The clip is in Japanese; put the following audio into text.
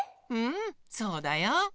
うんそうだよ。